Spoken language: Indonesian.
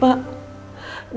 bapak dan ibu